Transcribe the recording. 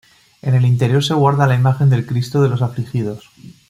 En el interior se guarda la imagen del Cristo de los Afligidos.